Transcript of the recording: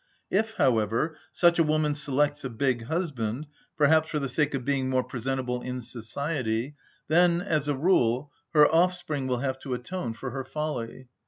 If, however, such a woman selects a big husband, perhaps for the sake of being more presentable in society, then, as a rule, her offspring will have to atone for her folly.